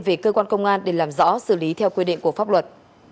về cơ quan công an để làm rõ xử lý theo quy định của pháp luật